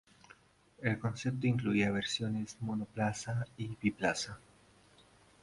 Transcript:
El concepto incluía versiones monoplaza y biplaza.